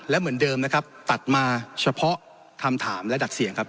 และเหมือนเดิมนะครับตัดมาเฉพาะคำถามและดัดเสียงครับ